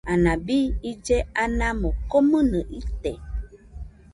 Anabi ille anamo, komɨnɨ ite.